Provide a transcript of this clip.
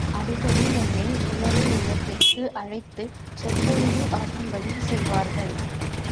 அடிக்கடி என்னை ஒளவை இல்லத்திற்கு அழைத்து சொற்பொழிவு ஆற்றும்படி செய்வார்கள்.